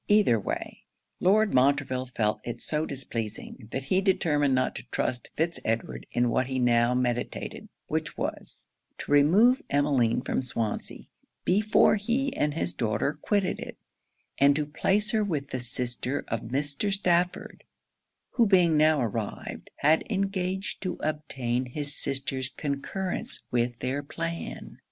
Either way, Lord Montreville felt it so displeasing, that he determined not to trust Fitz Edward in what he now meditated, which was, to remove Emmeline from Swansea before he and his daughter quitted it, and to place her with the sister of Mr. Stafford; who being now arrived, had engaged to obtain his sister's concurrence with their plan.